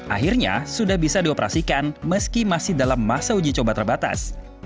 akhirnya sudah bisa dioperasikan meski masih dalam masa uji coba terbatas